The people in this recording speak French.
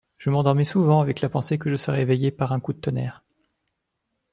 Je m'endormais souvent avec la pensée que je serais éveillé par un coup de tonnerre.